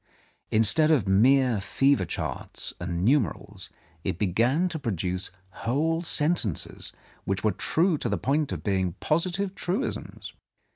Instead of mere fever charts and numerals, it began to produce whole sentences which were true to the point of being posi tive truisms.